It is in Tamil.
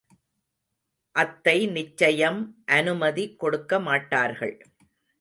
அத்தை நிச்சயம் அனுமதி கொடுக்கமாட்டார்கள்.